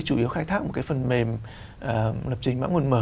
chủ yếu khai thác một cái phần mềm lập trình mã nguồn mở